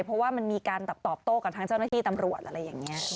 เพราะว่ามันมีการตอบโต้กับทางเจ้าหน้าที่ตำรวจอะไรอย่างนี้